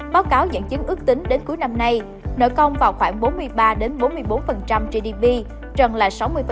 báo cáo dẫn chứng ước tính đến cuối năm nay nợ công vào khoảng bốn mươi ba bốn mươi bốn gdp rằng là sáu mươi